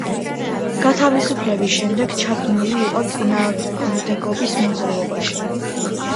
გათავისუფლების შემდეგ ჩაბმული იყო წინააღმდეგობის მოძრაობაში.